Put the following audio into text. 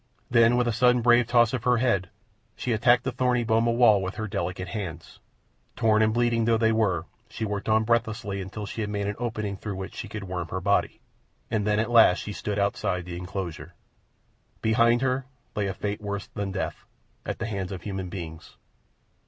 Then, with a sudden brave toss of her head, she attacked the thorny boma wall with her delicate hands. Torn and bleeding though they were, she worked on breathlessly until she had made an opening through which she could worm her body, and at last she stood outside the enclosure. Behind her lay a fate worse than death, at the hands of human beings.